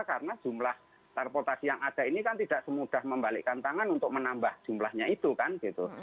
karena jumlah transportasi yang ada ini kan tidak semudah membalikkan tangan untuk menambah jumlahnya itu kan gitu